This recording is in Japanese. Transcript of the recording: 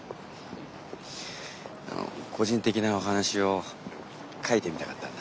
あの個人的なお話を書いてみたかったんだ。